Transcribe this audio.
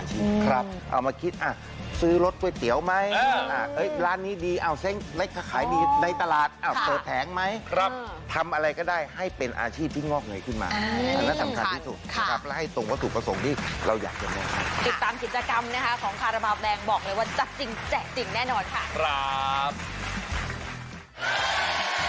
ครับเอามาคิดซื้อรถก๋วยเตี๋ยวไหมร้านนี้ดีเอาแซ่งเล็กขายดีในตลาดเปิดแผงไหมครับทำอะไรก็ได้ให้เป็นอาชีพที่งอกเหนื่อยขึ้นมาอันนี้สำคัญที่สุดครับและให้ตรงว่าสุขประสงค์ที่เราอยากจะมีครับติดตามกิจกรรมของคารพาวแบงค์บอกเลยว่าจะจริงแน่นอนค่ะครับ